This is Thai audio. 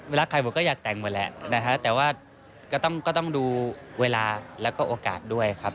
ใครบวชก็อยากแต่งหมดแหละนะฮะแต่ว่าก็ต้องดูเวลาแล้วก็โอกาสด้วยครับ